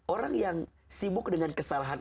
orang yang sibuk dengan kesalahan